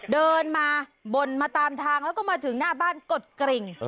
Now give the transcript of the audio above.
เดินมาบ่นมาตามทางแล้วก็มาถึงหน้าบ้านกดกริ่ง